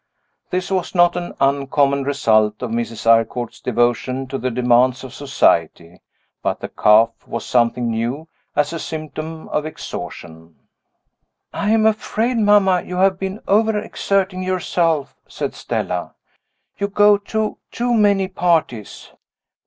This was not an uncommon result of Mrs. Eyrecourt's devotion to the demands of society; but the cough was something new, as a symptom of exhaustion. "I am afraid, mamma, you have been overexerting yourself," said Stella. "You go to too many parties."